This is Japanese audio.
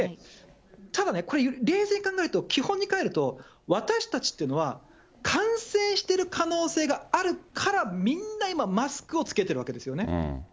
ただね、これ、冷静に考えると、基本にかえると、私たちっていうのは、感染してる可能性があるから、みんな今、マスクを着けてるわけですよね。